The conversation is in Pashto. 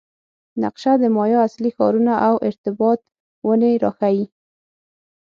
نقشه د مایا اصلي ښارونه او ارتباط ونې راښيي